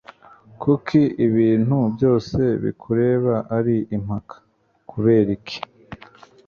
kuki ibintu byose bikureba ari impaka? (kubera iki?